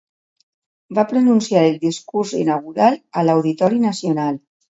Va pronunciar el discurs inaugural a l'Auditori Nacional.